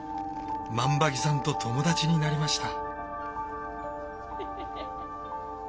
万場木さんと友達になりました。